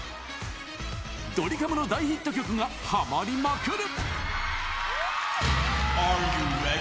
ドリカムの大ヒット曲がはまりまくる。